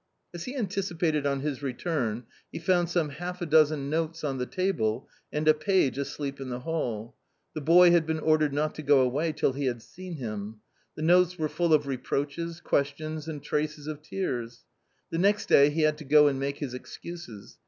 As he anticipated on his return he found some half a dozen notes on the table and a page asleep in the hall. The boy had been ordered not to go away till he had seen him. The notes were full of reproaches, questions and traces of tears. The next day he had to go and make his excuses.